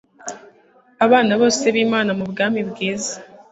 Abana bose bimana mubwami bwiza